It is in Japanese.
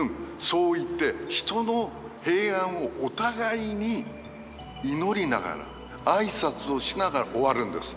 そう言って人の平安をお互いに祈りながら挨拶をしながら終わるんです。